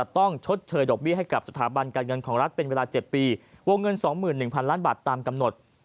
วงเงิน๒๑๐๐๐ล้านบาทตามกำหนด